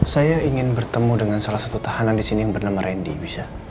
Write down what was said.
saya ingin bertemu dengan salah satu tahanan di sini yang bernama randy bisa